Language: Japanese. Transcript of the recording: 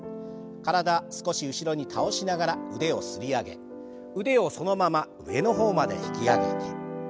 少し後ろに倒しながら腕をすり上げ腕をそのまま上の方まで引き上げて。